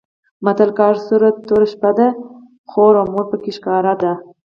متل؛ که هر څو توره شپه ده؛ خور او مور په کې ښکاره ده.